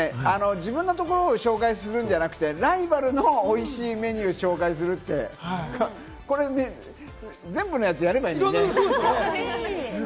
自分のところを紹介するんじゃなくて、ライバルのおいしいメニューを紹介するって、全部のやつ、やればいいのにね。